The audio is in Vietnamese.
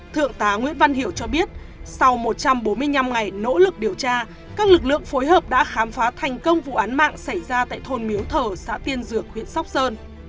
thượng tá nguyễn văn hiệu cho biết sau một trăm bốn mươi năm ngày nỗ lực điều tra các lực lượng phối hợp đã khám phá thành công vụ án mạng xảy ra tại thôn miếu thờ xã tiên dược huyện sóc sơn